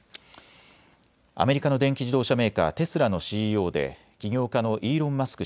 アメリカの電気自動車メーカーテスラのＣＥＯで起業家のイーロン・マスク